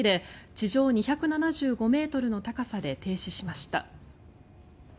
地上２７５ｍの高さで停止しました。